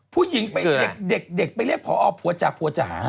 ผู้หญิงไปเด็กไปเรียกพอผัวจ๋าผัวจ๋า